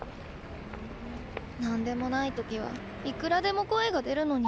何でもない時はいくらでも声が出るのに。